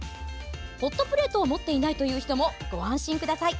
ホットプレートを持っていないという人もご安心ください。